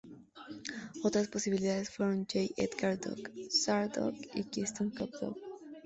Otras posibilidades fueron "J. Edgar Dog", "Sarg-dog" y "Keystone cop Dog".